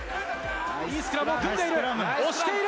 スクラムを組んでいる。